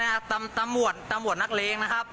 นี่นะครับตำรวจตำรวจนักเล็งนะครับ